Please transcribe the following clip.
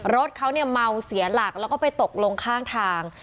รถเขาเนี่ยเมาเสียหลักแล้วก็ไปตกลงข้างทาง